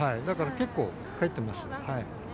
だから結構、帰ってます。